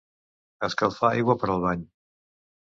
Escalfar aigua per al bany.